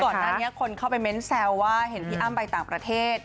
ก่อนหน้านี้คนเข้าไปเม้นแซวว่าเห็นพี่อ้ำไปต่างประเทศ